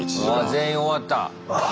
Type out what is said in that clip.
全員終わった！